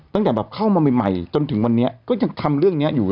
ตั้งแต่แบบเข้ามาใหม่จนถึงวันนี้ก็ยังทำเรื่องนี้อยู่